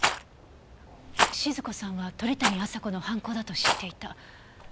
静子さんは鳥谷亜沙子の犯行だと知っていた。